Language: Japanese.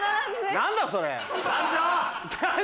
何だそれ！